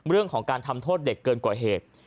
เรื่องของการทำโทษเด็กเกินกว่าเหตุ